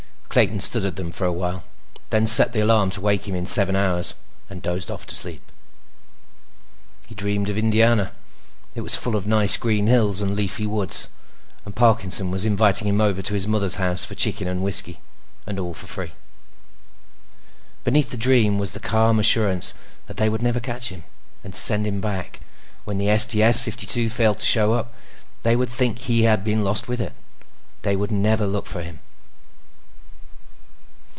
Clayton studied them for a while, then set the alarm to waken him in seven hours and dozed off to sleep. He dreamed of Indiana. It was full of nice, green hills and leafy woods, and Parkinson was inviting him over to his mother's house for chicken and whiskey. And all for free. Beneath the dream was the calm assurance that they would never catch him and send him back. When the STS 52 failed to show up, they would think he had been lost with it. They would never look for him.